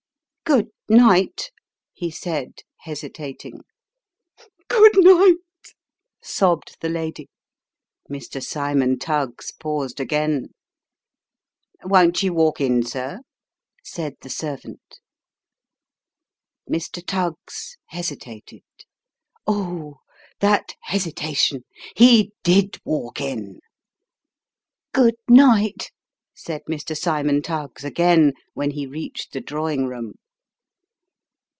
" Good night," he said, hesitating. " Good night," sobbed the lady. Mr. Cymon Tuggs paused again. " Won't you walk in, sir ?" said the servant. Mr. Tuggs hesitated. Oh, that hesitation ! He did walk in. " Good night !" said Mr. Cymon Tuggs again, when he had reached the drawing room.